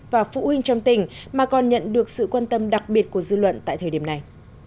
và phụ huynh trong tỉnh mà còn nhận được sự quan tâm đặc biệt của dư luận tại thời điểm này